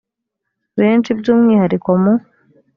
benshi by umwihariko mu